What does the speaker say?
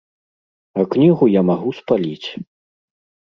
А кнігу я магу спаліць.